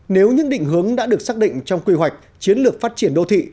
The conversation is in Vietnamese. nếu những định hướng đã được xác định trong quy hoạch chiến lược phát triển đô thị